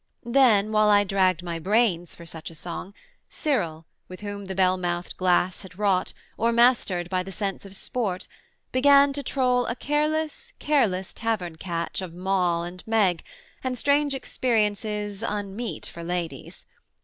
Then while I dragged my brains for such a song, Cyril, with whom the bell mouthed glass had wrought, Or mastered by the sense of sport, began To troll a careless, careless tavern catch Of Moll and Meg, and strange experiences Unmeet for ladies.